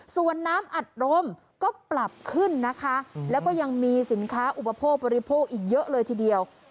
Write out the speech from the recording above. ส่วนน้ำอัดลมก็ปรับขึ้นนะคะแล้วก็ยังมีสินค้าอุปโภคบริโภคอีกเยอะเลยทีเดียว